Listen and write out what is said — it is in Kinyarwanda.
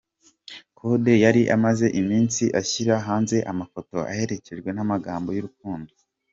Kode yari amaze iminsi ashyira hanze amafoto aherekejwe n'amagambo y'urukundo.